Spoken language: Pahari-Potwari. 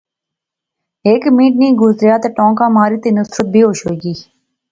ہیک منٹ نی گزریا تے ٹانکا ماری تے نصرت بیہوش ہوئی گئی